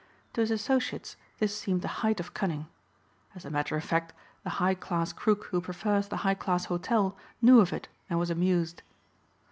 To his associates this seemed the height of cunning. As a matter of fact the high class crook who prefers the high class hotel knew of it and was amused.